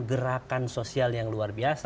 gerakan sosial yang luar biasa